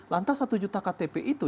lantas satu juta ktp itu